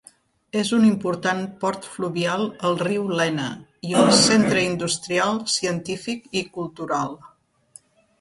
És un important port fluvial al riu Lena, i un centre industrial, científic i cultural.